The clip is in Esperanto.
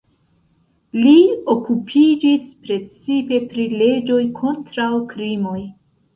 Li okupiĝis precipe pri leĝoj kontraŭ krimoj.